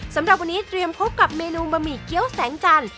สำหรับวันนี้เตรียมพบกับเมนูบะหมี่เกี้ยวแสงจันทร์